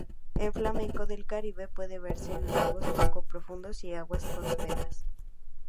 El flamenco del Caribe puede verse en lagos poco profundos y aguas costeras.